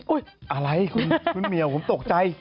อุ๊ยอะไรคุณเมียผมตกใจ